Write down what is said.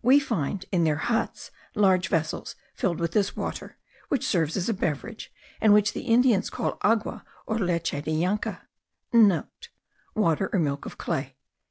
We find in their huts large vessels filled with this water, which serves as a beverage, and which the Indians call agua or leche de llanka.* (* Water or milk of clay.